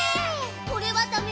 「これはダメ？」